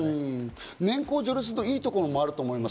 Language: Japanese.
年功序列のいいところもあると思います。